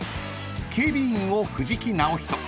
［警備員を藤木直人］